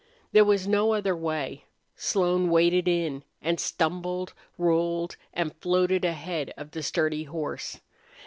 There was no other way. Slone waded in, and stumbled, rolled, and floated ahead of the sturdy horse.